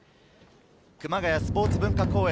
熊谷スポーツ文化公園